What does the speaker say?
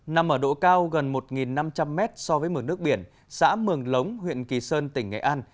nằm ở độ cao gần một năm trăm linh mét so với mường nước biển xã mường lống huyện kỳ sơn tỉnh nghệ an